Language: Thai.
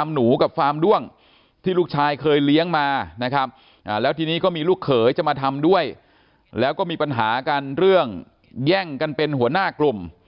ให้ลูกชายเคยเลี้ยงมานะครับอ่าแล้วที่นี่ก็มีลูกเขยจะมาทำด้วยแล้วก็มีปัญหาการเรื่องแย่งกันเป็นหัวหน้ากลุ่ม